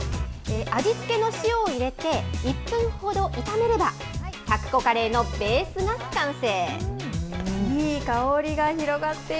味付けの塩を入れて、１分ほど炒めれば、タクコカレーのベースが完成。